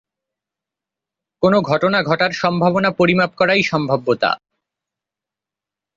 কোনো ঘটনা ঘটার সম্ভাবনা পরিমাপ করাই সম্ভাব্যতা।